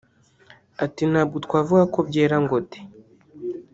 Ati “Ntabwo twavuga ko byera ngo de